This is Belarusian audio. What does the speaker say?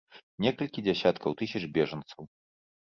Некалькі дзесяткаў тысяч бежанцаў.